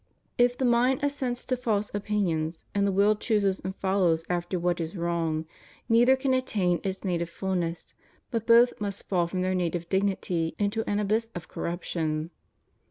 If the mind assents to false opinions, and the will chooses and follows after what is wrong, neither can attain its native fulness, but both must fall from their native dignity into an abyss of corruption.